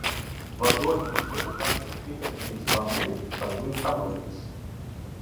Les dues edicions van ser escrites principalment per Wyndham Lewis.